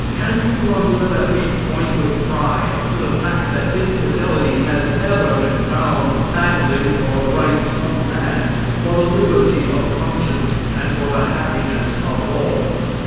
Can you wonder that we point with pride to the fact that infidelity has ever been found battling for the rights of man, for the liberty of conscience, and for the happiness of all?